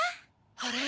あれ？